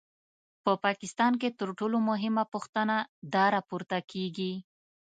په پاکستان کې تر ټولو مهمه پوښتنه دا راپورته کېږي.